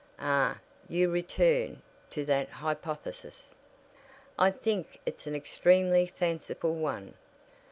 "Ah, you return to that hypothesis. I think it's an extremely fanciful one.